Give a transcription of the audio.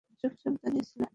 চুপচাপ দাঁড়িয়ে ছিলে।